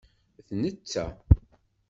D netta.